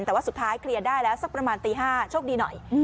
แต่ว่าสุดท้ายเคลียร์ได้แล้วสักประมาณตี๕โชคดีหน่อย